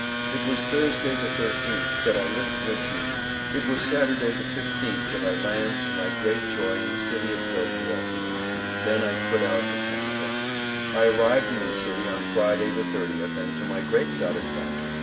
it was thursday the 13th that I lift Richmond, it was Saturday the 15th that I land to my great joy in the city of Phila. then I put out for Canada. I arrived in this city on Friday the 30th and to my great satisfaction.